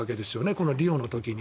このリオの時に。